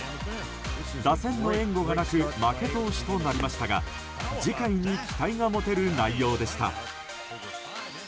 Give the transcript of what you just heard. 打線の援護がなく負け投手となりましたが次回に期待が持てる内容でした。